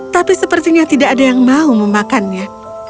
tapi sepertinya tidak ada yang mau memakannya